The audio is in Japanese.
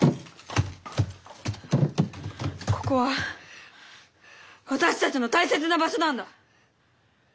ここは私たちの大切な場所なんだ！